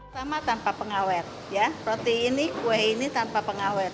sama tanpa pengawet ya roti ini kue ini tanpa pengawet